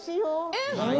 えっ！